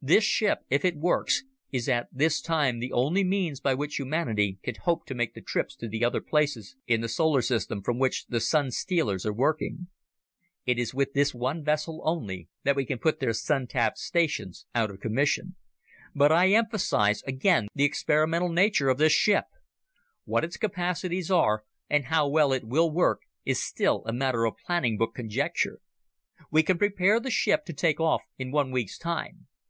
This ship, if it works, is at this time the only means by which humanity can hope to make the trips to the other places in the solar system from which the Sun stealers are working. It is with this one vessel only that we can put their Sun tap stations out of commission. "But I emphasize again the experimental nature of this ship. What its capacities are and how well it will work is still a matter of planning book conjecture. We can prepare the ship to take off in one week's time.